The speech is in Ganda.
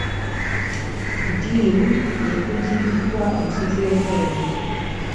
Ddiiru efujjiriddwa ensi z'ebweru.